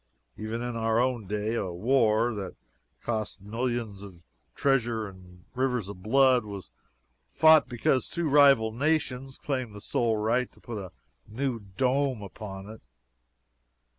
Even in our own day a war, that cost millions of treasure and rivers of blood, was fought because two rival nations claimed the sole right to put a new dome upon it.